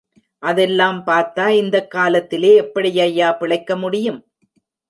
அதெல்லாம் பாத்தா இந்தக் காலத்திலே எப்படியய்யா பிழைக்க முடியும்?